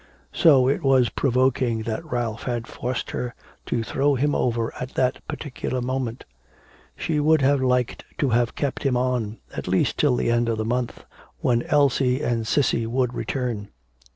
So it was provoking that Ralph had forced her to throw him over at that particular moment. She would have liked to have kept him on, at least till the end of the month, when Elsie and Cissy would return.